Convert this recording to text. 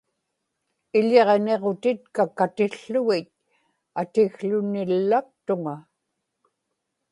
iḷiġniġutitka katiłługit atikłunillaktuŋa